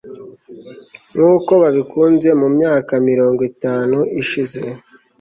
nkuko babikunze mu myaka mirongo itanu ishize